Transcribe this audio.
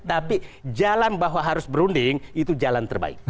tapi jalan bahwa harus berunding itu jalan terbaik